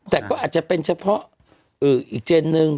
แต่ก็อาจจะเป็นเฉพาะอีกเจนนึง